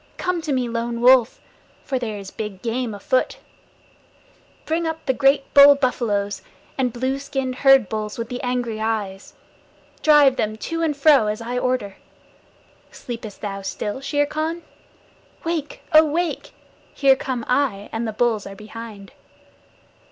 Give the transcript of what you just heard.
Come to me, Lone Wolf, for there is big game afoot! Bring up the great bull buffaloes, the blue skinned herd bulls with the angry eyes. Drive them to and fro as I order. Sleepest thou still, Shere Khan? Wake, oh, wake! Here come I, and the bulls are behind.